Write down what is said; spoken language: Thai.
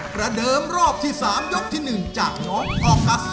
ประเดิมรอบที่๓ยกที่๑จากน้องออกัส